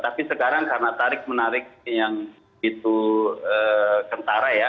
tapi sekarang karena tarik menarik yang itu kentara ya